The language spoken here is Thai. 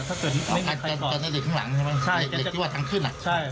ถ้าเกิดไม่มีใครก่อนขึ้นหลังใช่ไหมใช่ที่ว่าทางขึ้นอ่ะใช่